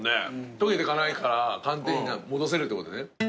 溶けてかないから寒天に戻せるってことね。